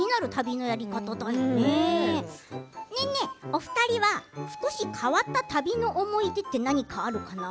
お二人は少し変わった旅の思い出って何かあるかな？